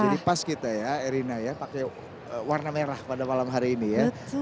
jadi pas kita ya erina ya pakai warna merah pada malam hari ini ya